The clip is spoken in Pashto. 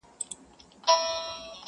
• خو څه نه سي ويلای تل,